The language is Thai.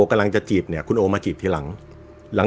กำลังจะจีบเนี่ยคุณโอมาจีบทีหลัง